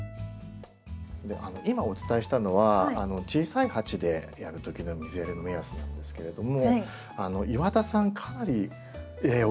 今お伝えしたのは小さい鉢でやる時の水やりの目安なんですけれども岩田さんかなり大きい。